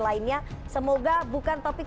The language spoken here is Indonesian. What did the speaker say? lainnya semoga bukan topik